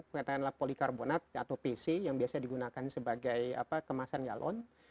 katakanlah polikarbonat atau pc yang biasa digunakan sebagai kemasan galon